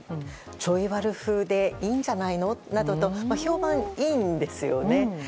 ちょいワル風でいいんじゃないの？などと評判いいんですよね。